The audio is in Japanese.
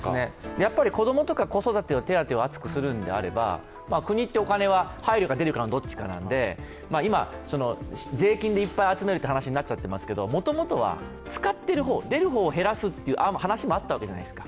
やっぱり子供とか子育ての手当を厚くするんであれば国ってお金が入るか出るかのどっちかなんで今、税金でいっぱい集めるという話になっちゃっていますけれどももともとは使ってる方、出る方を減らすっていう話もあったわけじゃないですか。